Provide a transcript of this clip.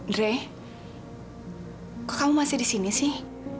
dre kok kamu masih disini sih